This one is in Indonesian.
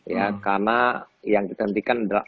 ya karena yang kita hentikan adalah